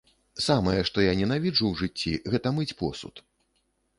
Самае, што я ненавіджу ў жыцці, гэта мыць посуд.